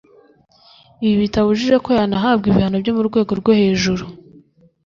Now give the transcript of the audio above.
Ibi bitabujije ko yanahabwa ibihano byo mu rwego rwo hejuru